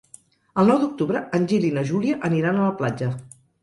El nou d'octubre en Gil i na Júlia aniran a la platja.